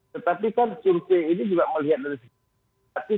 tetapi kan cunce ini juga melihat dari situ